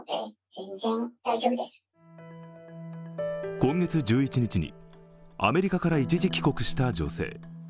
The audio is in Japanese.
今月１１日にアメリカから一時帰国した女性。